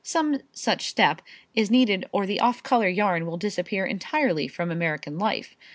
Some such step is needed or the off color yarn will disappear entirely from American life.